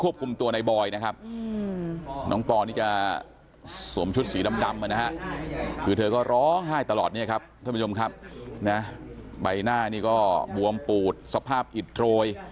ใบหน้านี่ก็บวมปูดสภาพอิตโรย